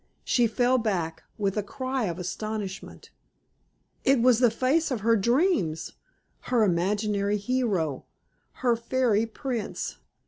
She fell back with a cry of astonishment. It was the face of her dreams her imaginary hero, her fairy prince.